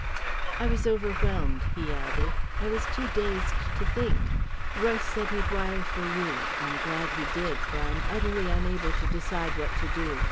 "I was overwhelmed," he added. "I was too dazed to think. Royce said he'd wire for you. I'm glad he did, for I'm utterly unable to decide what to do.